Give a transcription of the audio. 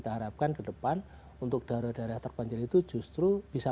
kita harapkan ke depan untuk daerah daerah terpencahayaan ini juga akan berhasil mencapai kembali